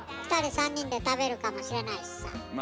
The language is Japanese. ２人３人で食べるかもしれないしさ。